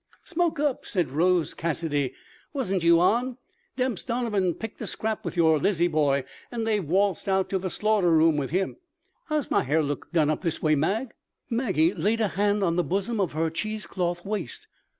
"Smoke up!" said Rose Cassidy. "Wasn't you on? Demps Donovan picked a scrap with your Lizzie boy, and they've waltzed out to the slaughter room with him. How's my hair look done up this way, Mag?" Maggie laid a hand on the bosom of her cheesecloth waist.